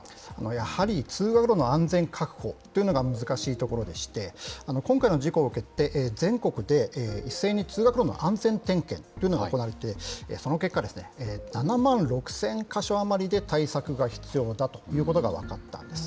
やはり通学路の安全確保というのが難しいところでして、今回の事故を受けて、全国で一斉の通学路の安全点検というのが行われて、その結果、７万６０００か所余りで対策が必要だということが分かったんです。